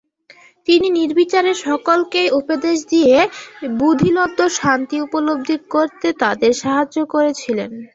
তিনি নির্বিচারে সকলকেই উপদেশ দিয়ে বোধিলব্ধ শান্তি উপলব্ধি করতে তাদের সাহায্য করেছিলেন।